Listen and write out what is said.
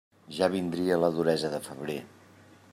Ja vindria la duresa de febrer.